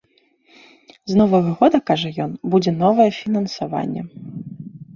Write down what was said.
З новага года, кажа ён, будзе новае фінансаванне.